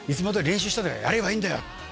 練習したからやればいいんだよ！